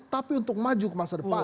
tapi untuk maju ke masa depan